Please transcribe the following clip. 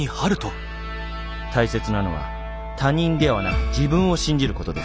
「大切なのは他人ではなく自分を信じることです。